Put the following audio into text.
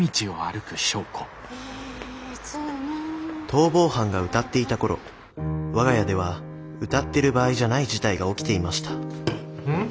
逃亡犯が歌っていた頃我が家では歌ってる場合じゃない事態が起きていましたん？